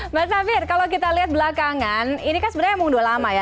mas safir kalau kita lihat belakangan ini kan sebenarnya emang udah lama ya